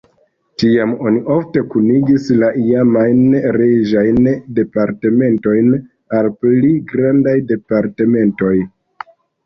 Tiam oni ofte kunigis la iamajn reĝajn departementojn al pli grandaj departementoj.